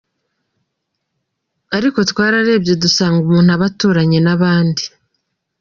Ariko twararebye dusanga umuntu aba aturanye n’abandi.